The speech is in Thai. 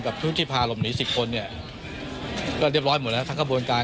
ชุดที่พาหลบหนี๑๐คนเนี่ยก็เรียบร้อยหมดแล้วทั้งกระบวนการ